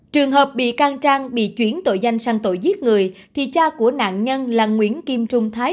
trường hợp bị can trang bị chuyển tội danh sang tội giết người thì cha của nạn nhân là nguyễn kim trung thái